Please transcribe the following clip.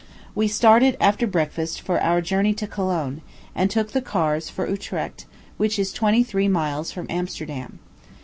We started, after breakfast, for our journey to Cologne, and took the oars for Utrecht, which is twenty three miles from Amsterdam.